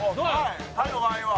タイの場合は？